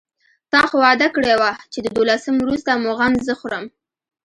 تا خو وعده کړې وه چې د دولسم وروسته مو غم زه خورم.